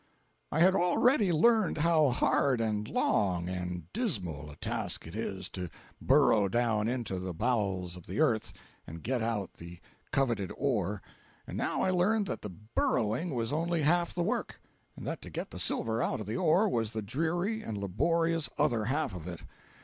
I had already learned how hard and long and dismal a task it is to burrow down into the bowels of the earth and get out the coveted ore; and now I learned that the burrowing was only half the work; and that to get the silver out of the ore was the dreary and laborious other half of it.